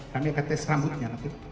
kami akan tes rambutnya